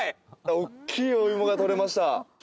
大きいお芋が採れました！